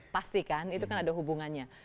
pasti kan itu kan ada hubungannya